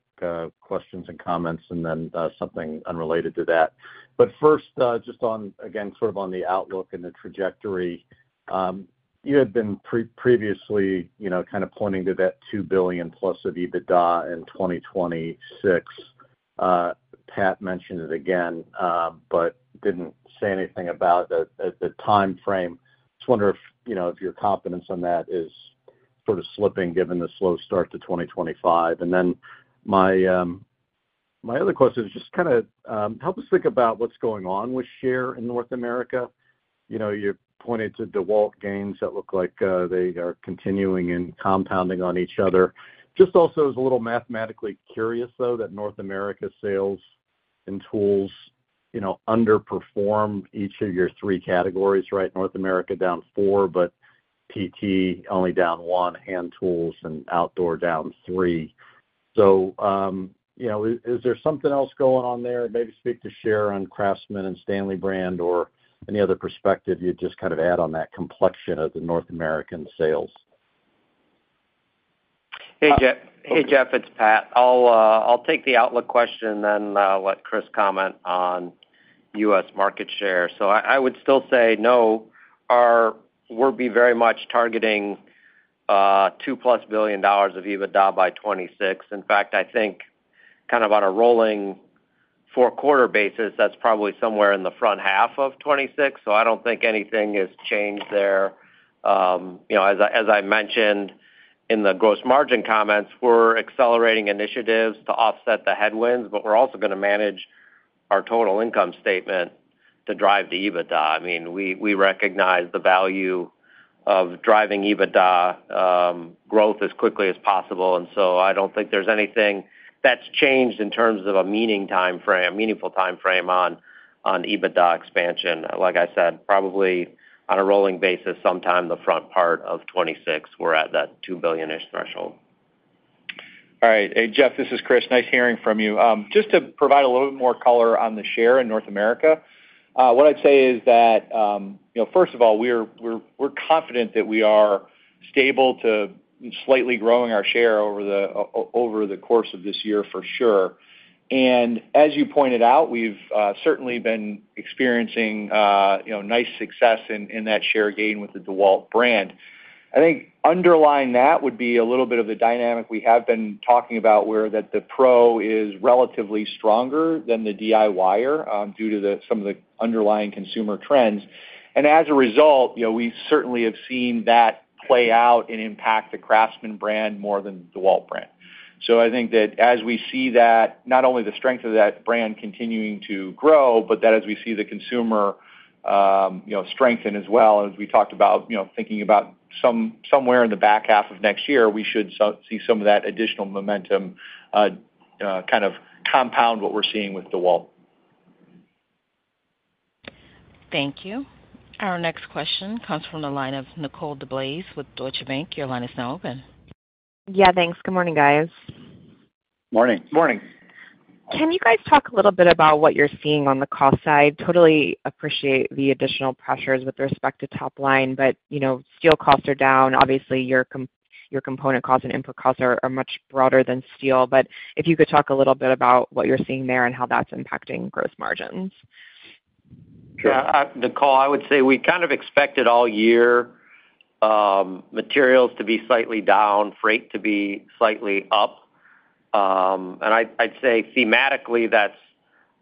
questions and comments and then something unrelated to that. But first, just again, sort of on the outlook and the trajectory, you had been previously kind of pointing to that $2 billion-plus of EBITDA in 2026. Pat mentioned it again, but didn't say anything about the timeframe. Just wonder if your confidence on that is sort of slipping given the slow start to 2025. And then my other question is just kind of help us think about what's going on with share in North America. You pointed to DeWalt gains that look like they are continuing and compounding on each other. Just also as a little mathematically curious, though, that North America sales in Tools underperform each of your three categories, right? North America down 4%, but PT only down 1%, Hand Tools, and Outdoor down 3%. So is there something else going on there? Maybe speak to share on Craftsman and Stanley brand or any other perspective you'd just kind of add on that complexion of the North American sales. Hey, Jeff, it's Pat. I'll take the Outlook question and then let Chris comment on U.S. market share. So I would still say no, we'll be very much targeting $2+ billion of EBITDA by 2026. In fact, I think kind of on a rolling four-quarter basis, that's probably somewhere in the front half of 2026. So I don't think anything has changed there. As I mentioned in the gross margin comments, we're accelerating initiatives to offset the headwinds, but we're also going to manage our total income statement to drive the EBITDA. I mean, we recognize the value of driving EBITDA growth as quickly as possible. And so I don't think there's anything that's changed in terms of a meaningful timeframe on EBITDA expansion. Like I said, probably on a rolling basis, sometime the front part of 2026, we're at that $2 billion-ish threshold. All right. Hey, Jeff, this is Chris. Nice hearing from you. Just to provide a little bit more color on the share in North America, what I'd say is that, first of all, we're confident that we are stable to slightly growing our share over the course of this year for sure. And as you pointed out, we've certainly been experiencing nice success in that share gain with the DeWalt brand. I think underlying that would be a little bit of the dynamic we have been talking about where the Pro is relatively stronger than the DIYer due to some of the underlying consumer trends. As a result, we certainly have seen that play out and impact the Craftsman brand more than the DeWalt brand. I think that as we see that, not only the strength of that brand continuing to grow, but that as we see the consumer strengthen as well. As we talked about thinking about somewhere in the back half of next year, we should see some of that additional momentum kind of compound what we're seeing with DeWalt. Thank you. Our next question comes from the line of Nicole DeBlase with Deutsche Bank. Your line is now open. Yeah, thanks. Good morning, guys. Morning. Morning. Can you guys talk a little bit about what you're seeing on the cost side? Totally appreciate the additional pressures with respect to top line, but steel costs are down. Obviously, your component costs and input costs are much broader than steel. But if you could talk a little bit about what you're seeing there and how that's impacting gross margins. Sure. Nicole, I would say we kind of expected all year materials to be slightly down, freight to be slightly up. And I'd say thematically, that's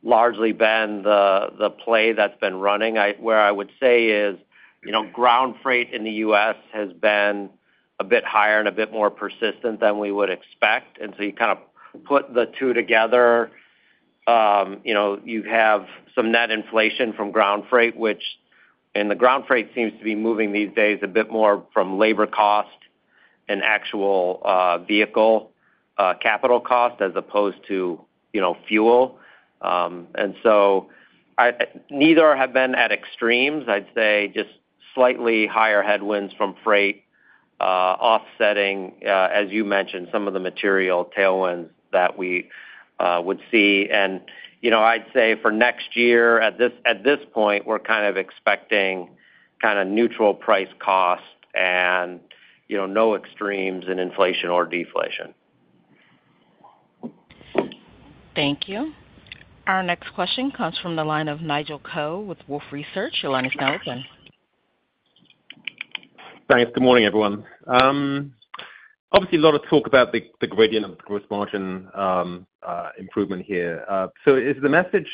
largely been the play that's been running. Where I would say is ground freight in the U.S. has been a bit higher and a bit more persistent than we would expect. And so you kind of put the two together. You have some net inflation from ground freight, which in the ground freight seems to be moving these days a bit more from labor cost and actual vehicle capital cost as opposed to fuel. And so neither have been at extremes. I'd say just slightly higher headwinds from freight offsetting, as you mentioned, some of the material tailwinds that we would see. I'd say for next year, at this point, we're kind of expecting kind of neutral price cost and no extremes in inflation or deflation. Thank you. Our next question comes from the line of Nigel Coe with Wolfe Research. Your line is now open. Thanks. Good morning, everyone. Obviously, a lot of talk about the gradient of the gross margin improvement here. So is the message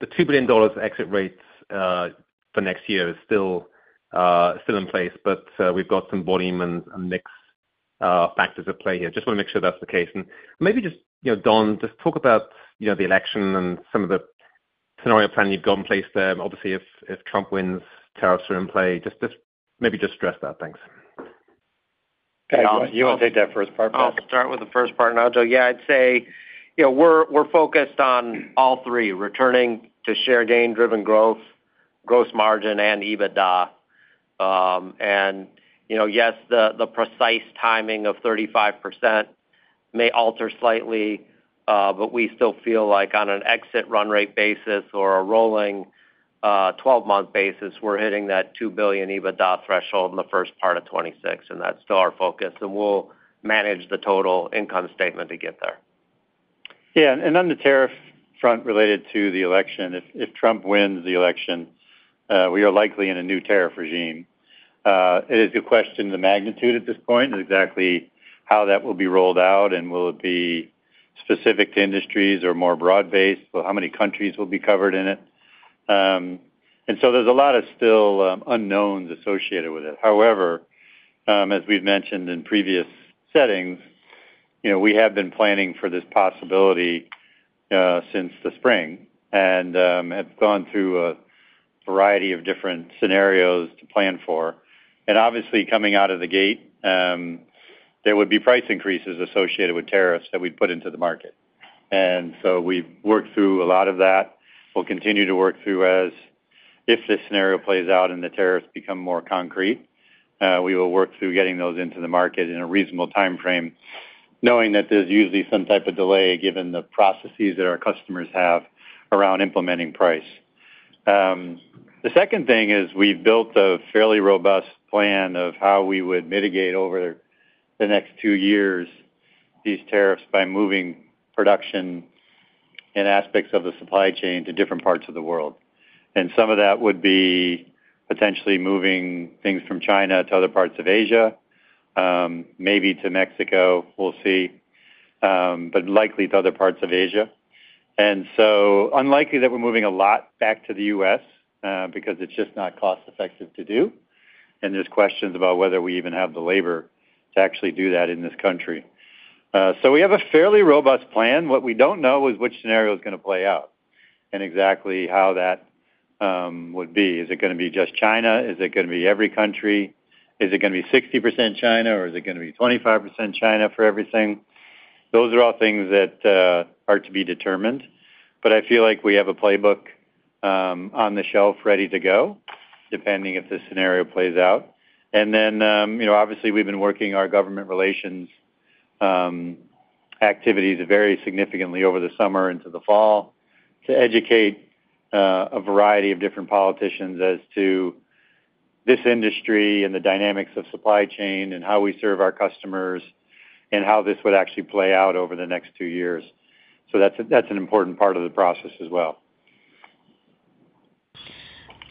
the $2 billion exit rates for next year still in place? But we've got some volume and mixed factors at play here. Just want to make sure that's the case. And maybe just, Don, just talk about the election and some of the scenario plan you've got in place there. Obviously, if Trump wins, tariffs are in play. Just maybe just stress that. Thanks. You want to take that first part, please? I'll start with the first part, Nigel. Yeah, I'd say we're focused on all three: returning to share gain-driven growth, gross margin, and EBITDA. And yes, the precise timing of 35% may alter slightly, but we still feel like on an exit run rate basis or a rolling 12-month basis, we're hitting that $2 billion EBITDA threshold in the first part of 2026. And that's still our focus. And we'll manage the total income statement to get there. Yeah. And on the tariff front related to the election, if Trump wins the election, we are likely in a new tariff regime. It is a question of the magnitude at this point, exactly how that will be rolled out, and will it be specific to industries or more broad-based? How many countries will be covered in it? And so there's a lot of still unknowns associated with it. However, as we've mentioned in previous sessions, we have been planning for this possibility since the spring and have gone through a variety of different scenarios to plan for and obviously, coming out of the gate, there would be price increases associated with tariffs that we'd put into the market and so we've worked through a lot of that. We'll continue to work through as if this scenario plays out and the tariffs become more concrete, we will work through getting those into the market in a reasonable timeframe, knowing that there's usually some type of delay given the processes that our customers have around implementing price. The second thing is we've built a fairly robust plan of how we would mitigate over the next two years these tariffs by moving production and aspects of the supply chain to different parts of the world. Some of that would be potentially moving things from China to other parts of Asia, maybe to Mexico. We'll see. But likely to other parts of Asia. And so unlikely that we're moving a lot back to the U.S. because it's just not cost-effective to do. And there's questions about whether we even have the labor to actually do that in this country. So we have a fairly robust plan. What we don't know is which scenario is going to play out and exactly how that would be. Is it going to be just China? Is it going to be every country? Is it going to be 60% China, or is it going to be 25% China for everything? Those are all things that are to be determined. But I feel like we have a playbook on the shelf ready to go, depending if this scenario plays out. And then, obviously, we've been working our government relations activities very significantly over the summer into the fall to educate a variety of different politicians as to this industry and the dynamics of supply chain and how we serve our customers and how this would actually play out over the next two years. So that's an important part of the process as well.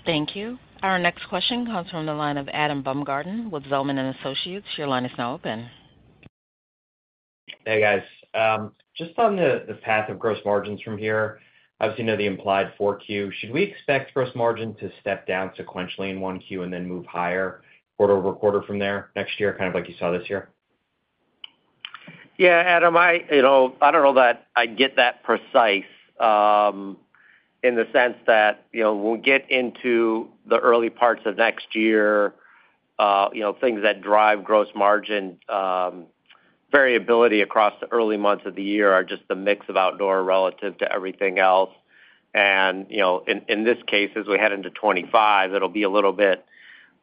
Thank you. Our next question comes from the line of Adam Baumgarten with Zelman & Associates. Your line is now open. Hey, guys. Just on the path of gross margins from here, obviously, the implied Q4, should we expect gross margin to step down sequentially in Q1 and then move higher quarter-over-quarter from there next year, kind of like you saw this year? Yeah, Adam, I don't know that I get that precise in the sense that we'll get into the early parts of next year. Things that drive gross margin variability across the early months of the year are just the mix of Outdoor relative to everything else. And in this case, as we head into 2025, it'll be a little bit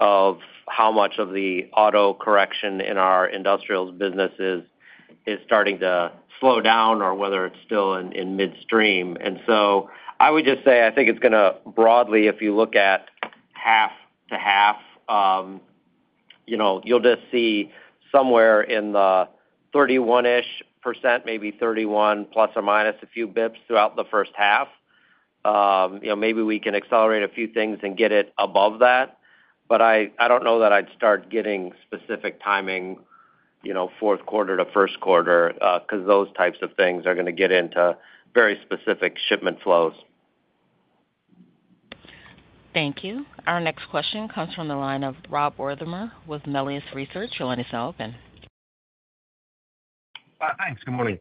of how much of the auto correction in our Industrials business is starting to slow down or whether it's still in midstream. And so I would just say I think it's going to broadly, if you look at half to half, you'll just see somewhere in the 31-ish%, maybe 31 plus or minus a few basis points throughout the first half. Maybe we can accelerate a few things and get it above that. But I don't know that I'd start getting specific timing fourth quarter to first quarter because those types of things are going to get into very specific shipment flows. Thank you. Our next question comes from the line of Rob Wertheimer with Melius Research. Your line is now open. Thanks. Good morning.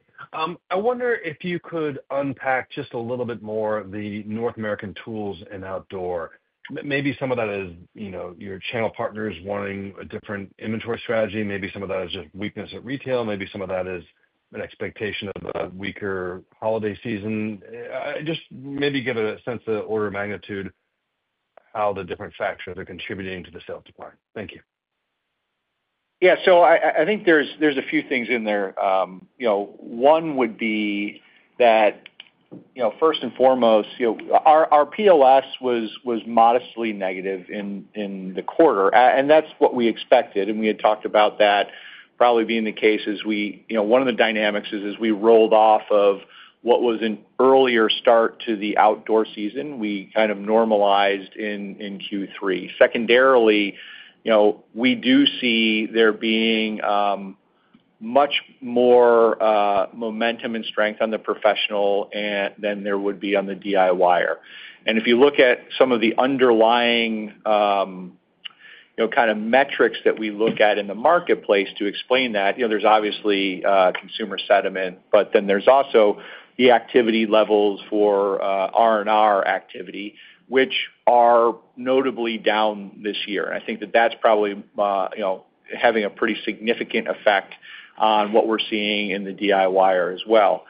I wonder if you could unpack just a little bit more of the North American Tools and Outdoor. Maybe some of that is your channel partners wanting a different inventory strategy. Maybe some of that is just weakness at retail. Maybe some of that is an expectation of a weaker holiday season. Just maybe give a sense of order of magnitude how the different factors are contributing to the sales decline. Thank you. Yeah. So I think there's a few things in there. One would be that, first and foremost, our POS was modestly negative in the quarter. And that's what we expected. And we had talked about that probably being the case as one of the dynamics is we rolled off of what was an earlier start to the Outdoor season. We kind of normalized in Q3. Secondarily, we do see there being much more momentum and strength on the professional than there would be on the DIYer. And if you look at some of the underlying kind of metrics that we look at in the marketplace to explain that, there's obviously consumer sentiment, but then there's also the activity levels for R&R activity, which are notably down this year. And I think that that's probably having a pretty significant effect on what we're seeing in the DIYer as well.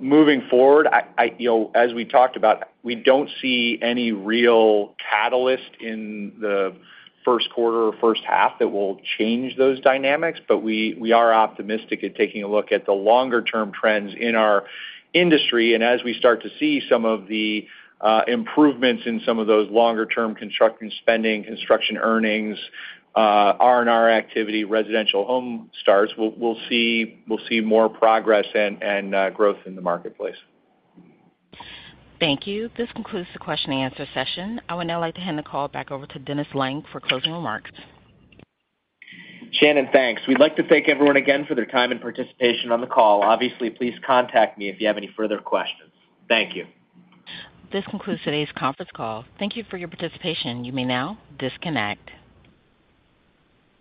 Moving forward, as we talked about, we don't see any real catalyst in the first quarter or first half that will change those dynamics, but we are optimistic in taking a look at the longer-term trends in our industry, and as we start to see some of the improvements in some of those longer-term construction spending, construction earnings, R&R activity, residential home starts, we'll see more progress and growth in the marketplace. Thank you. This concludes the question-and-answer session. I would now like to hand the call back over to Dennis Lange for closing remarks. Shannon, thanks. We'd like to thank everyone again for their time and participation on the call. Obviously, please contact me if you have any further questions. Thank you. This concludes today's conference call. Thank you for your participation. You may now disconnect.